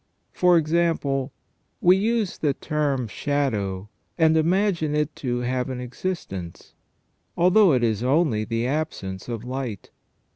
For example, we use the term shadow, and imagine it to have an existence, although it is only the absence of light.